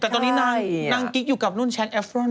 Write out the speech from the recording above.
แต่ตอนนี้นางกิ๊กอยู่กับรุ่นแชทแอฟรอน